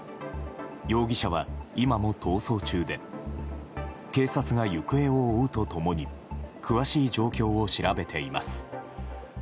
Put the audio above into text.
容疑者は今も逃走中で警察が行方を追うと共に詳しい状況を調べています。